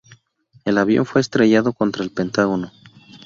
El avión fue estrellado contra El Pentágono.